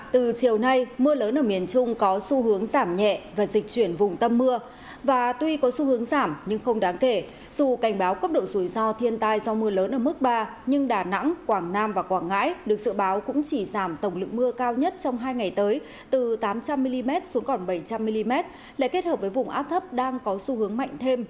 từ tám trăm linh mm xuống còn bảy trăm linh mm lại kết hợp với vùng áp thấp đang có xu hướng mạnh thêm